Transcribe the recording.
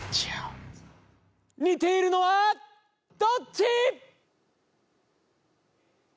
似ているのはどっち！